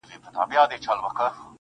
o ه بيا دي په سرو سترگو کي زما ياري ده.